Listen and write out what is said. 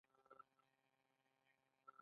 انسان په خپل ژوند کې ډله ایز کار کوي.